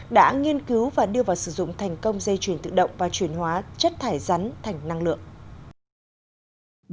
đã nghiên cứu và đưa vào sử dụng thành công dây chuyển tự động và chuyển hóa chất thải rắn thành năng lượng